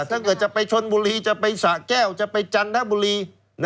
๒๓๒๔ถ้าเกิดจะไปชนบุรีจะไปสระแก้วจะไปจันทร์ด้านบุรี